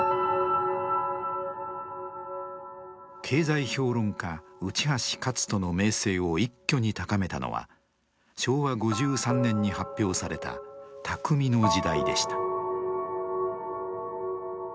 経済評論家内橋克人の名声を一挙に高めたのは昭和５３年に発表された「匠の時代」でした。